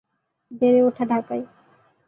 বেড়ে ওঠা ঢাকায়।